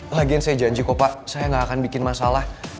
lagian saya janji kok pak saya gak akan bikin masalah